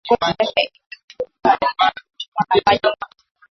Ngozi yake ilichubuka alipochomwa na maji moto